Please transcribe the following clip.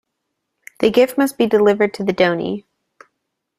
The gift must be delivered to the donee.